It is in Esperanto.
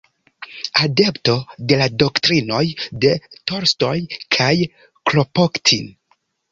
Adepto de la doktrinoj de Tolstoj kaj Kropotkin.